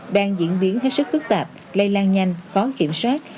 đang diễn biến hết sức phức tạp lây lan nhanh khó kiểm soát